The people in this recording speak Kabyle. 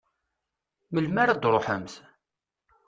Melmi ara d-truḥemt?